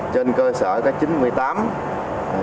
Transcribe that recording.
trên cơ sở cái chín mươi tám